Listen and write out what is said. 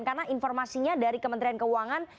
karena informasinya dari kementerian keuangan